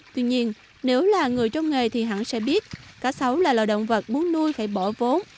tuy nhiên nếu là người trong nghề thì hẳn sẽ biết cá sấu là loài động vật muốn nuôi phải bỏ vốn